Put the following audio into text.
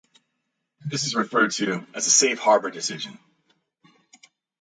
This is referred to as the Safe Harbour Decision.